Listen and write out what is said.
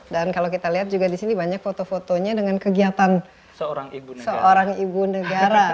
dan kalau kita lihat disini banyak foto fotonya dengan kegiatan seorang ibu negara